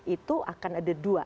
itu akan ada dua